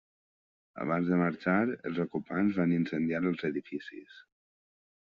Abans de marxar, els ocupants van incendiar els edificis.